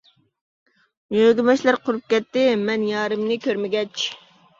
يۆگىمەچلەر قۇرۇپ كەتتى، مەن يارىمنى كۆرمىگەچ.